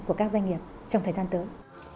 của các doanh nghiệp trong thời gian tới